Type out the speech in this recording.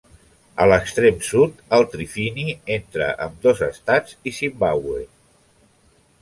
A l'extrem sud el trifini entre ambdós estats i Zimbàbue.